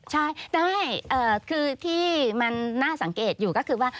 ใช่คือที่มันน่าสังเกตอยู่ก็คือว่า